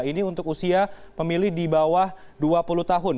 ini untuk usia pemilih di bawah dua puluh tahun